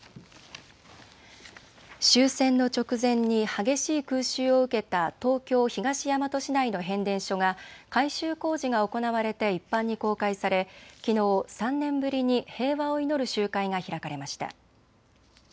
終戦の直前に激しい空襲を受けた東京東大和市内の変電所が改修工事が行われて一般に公開され、きのう３年ぶりに平和を祈る集会が開かれました。